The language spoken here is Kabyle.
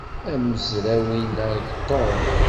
Amezraw-inna d Tom.